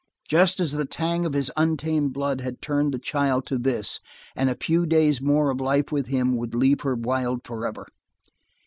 Just as the tang of his untamed blood had turned the child to this; and a few days more of life with him would leave her wild forever.